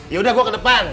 yaudah gua ke depan